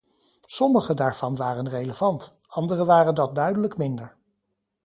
Sommige daarvan waren relevant, andere waren dat duidelijk minder.